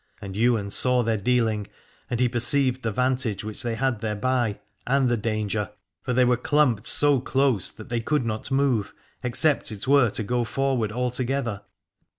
And Ywain saw their dealing, and he perceived the vantage which they had thereby, and the danger : for they were 347 Aladore clumped so close that they could not move, except it were to go forward all together.